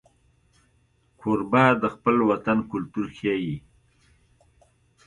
کوربه د خپل وطن کلتور ښيي.